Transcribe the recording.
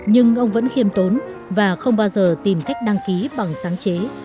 nhưng ông vẫn khiêm tốn và không bao giờ tìm cách đăng ký bằng sáng chế